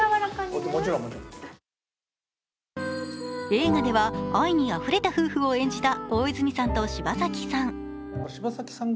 映画では愛にあふれた夫婦を演じた大泉さんと柴咲さん。